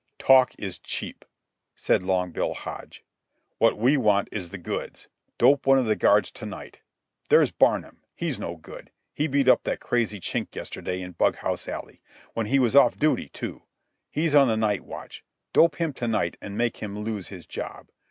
"Talk is cheap," said Long Bill Hodge. "What we want is the goods. Dope one of the guards to night. There's Barnum. He's no good. He beat up that crazy Chink yesterday in Bughouse Alley—when he was off duty, too. He's on the night watch. Dope him to night an' make him lose his job.